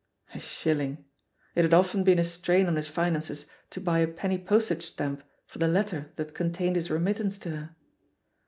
^ A shilling! It had often been a strain on his finances to buy a penny postage stamp for the letter that contained his remittance to her.